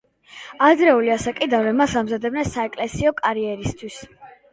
ადრეული ასაკიდანვე მას ამზადებდნენ საეკლესიო კარიერისთვის.